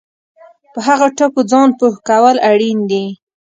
په هغو ټکو ځان پوه کول اړین دي